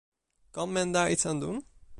Kan men daar iets aan doen?